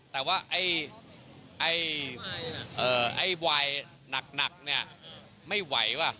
แต่ว่าไอ้ไวน์หนักไม่ไหววะ